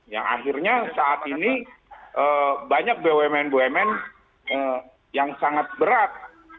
yang akhirnya saat ini banyak bumn bumn yang sangat berat